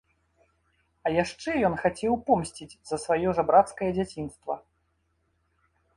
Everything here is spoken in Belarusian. А яшчэ ён хацеў помсціць за сваё жабрацкае дзяцінства.